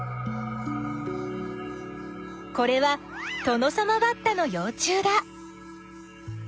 これはトノサマバッタのよう虫だ。